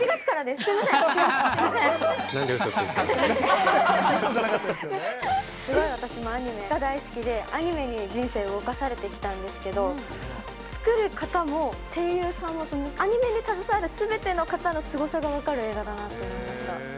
すごい私もアニメが大好きで、アニメに人生動かされてきたんですけど、作る方も、声優さんも、アニメに携わるすべての方のすごさが分かる映画だなと思いました。